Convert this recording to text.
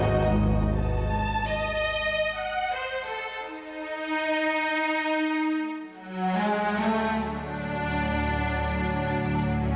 dan yang sebenarnya cuma subscribe